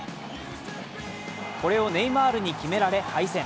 これをネイマールに決められ敗戦。